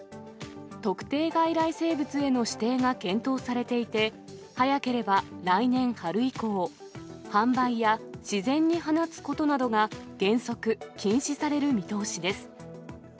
特定外来生物への指定が検討されていて、早ければ来年春以降、販売や自然に放つことなどが原則、禁止される見通しです。